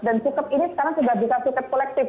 dan cukup ini sekarang sudah bisa cukup kolektif